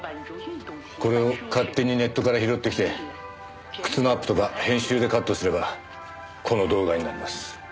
これを勝手にネットから拾ってきて靴のアップとか編集でカットすればこの動画になります。